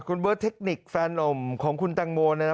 คุณเบิร์ตเทคนิคแฟนอมของคุณตังโมนะนะ